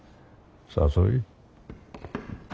誘い？